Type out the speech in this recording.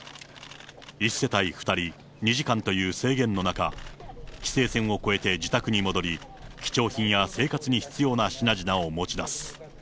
１世帯２人、２時間という制限の中、規制線を越えて自宅に戻り、貴重品や生活に必要な品々を持ち出す。